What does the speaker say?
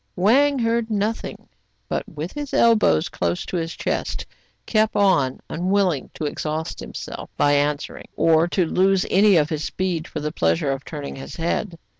Wang heard nothing, but, with his elbows close to his chest, kept on, unwilling to exhaust himself by answering, or to lose any of his speed for the pleasure of turning his head.